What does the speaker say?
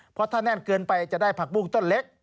เพราะถ้าแน่นเกินไปจะได้ผักบุ้งต้นเล็ก